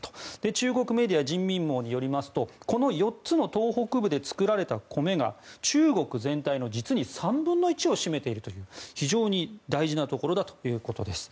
中国メディア、人民網によるとこの４つの東北部で作られた米が中国全体の実に３分の１を占めているという非常に大事なところだということです。